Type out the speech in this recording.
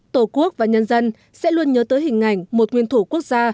tổ quốc và nhân dân sẽ luôn nhớ tới hình ảnh một nguyên thủ quốc gia